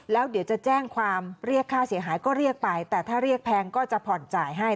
แล้วเดี๋ยวจะแจ้งความเรียกค่าเสียหายก็เรียกไปแต่ถ้าเรียกแพงก็จะผ่อนจ่ายให้